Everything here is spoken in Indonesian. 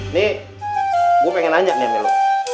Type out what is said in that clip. nih gue pengen nanya nih lo